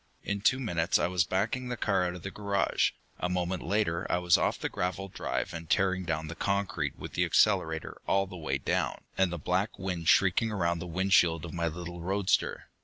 In two minutes I was backing the car out of the garage; a moment later I was off the gravelled drive and tearing down the concrete with the accelerator all the way down, and the black wind shrieking around the windshield of my little roadster.